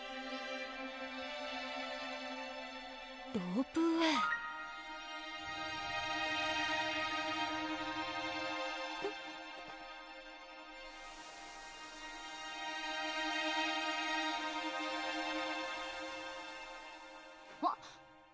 ロープウェイあっ！